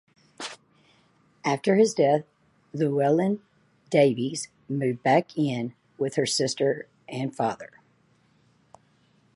After his death Llewelyn Davies moved back in with her sister and father.